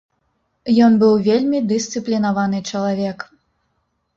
Ён быў вельмі дысцыплінаваны чалавек.